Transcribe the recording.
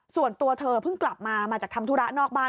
ส่วนตัวเธอเพิ่งกลับมามาจากทำธุระนอกบ้าน